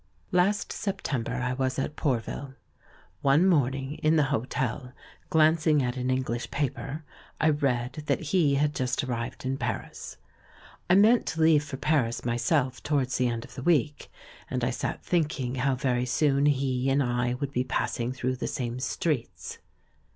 Last September I was at Pourville. One morn ing in the hotel, glancing at an English paper, I read that he had just arrived in Paris. I meant to leave for Paris, myself, towards the end of the week, and I sat thinking how very soon he and I would be passing through the same streets.